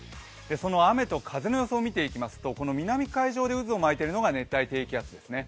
その雨と風の予想を見ていきますと南海上で渦を巻いているのが熱帯低気圧です。